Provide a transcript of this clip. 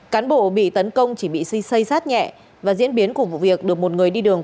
cán bộ bị tấn công chỉ bị xây xây sát nhẹ và diễn biến của vụ việc được một người đi đường